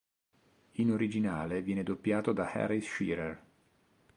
In originale viene doppiato da Harry Shearer.